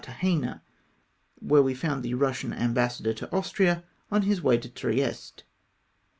291 thagena, where we found tlie Eussian ambassador to Austria on his way to Trieste.